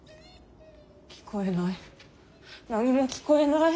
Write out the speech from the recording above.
聞こえない。